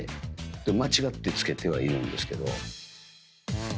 間違って付けてはいるんですけど。